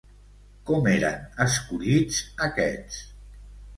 Com eren escollits aquests?